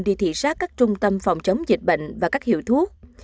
đi thị xác các trung tâm phòng chống dịch bệnh và các hiệu thuốc